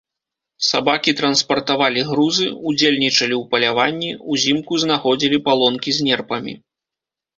Сабакі транспартавалі грузы, удзельнічалі ў паляванні, узімку знаходзілі палонкі з нерпамі.